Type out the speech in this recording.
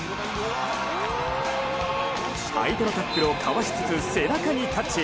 相手のタックルをかわしつつ背中にタッチ。